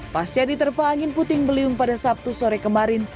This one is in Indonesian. pasca diterpa angin puting beliung pada sabtu sore kemarin